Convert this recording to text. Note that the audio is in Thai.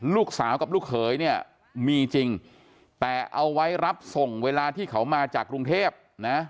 ลูกสาวกับลูกเขยเนี่ยมีจริงแต่เอาไว้รับส่งเวลาที่เขามาจากกรุงเทพนะ